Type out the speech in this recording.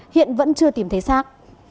hiện vẫn chưa tìm thấy xác